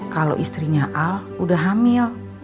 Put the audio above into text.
kalau istrinya al udah hamil